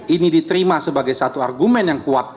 ini diterima sebagai satu argumen yang kuat